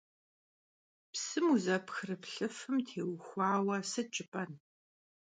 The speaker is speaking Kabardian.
Psım vuzerıpxrıplhıfım têuxuaue sıt jjıp'efın?